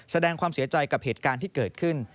แสดงความเสียใจกับเหตุการณ์ที่เกิดขึ้น